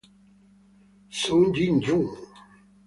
Sung Ji-hyun